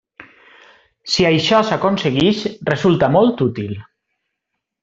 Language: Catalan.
Si això s'aconsegueix, resulta molt útil.